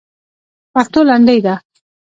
پښتو لنډۍ ده.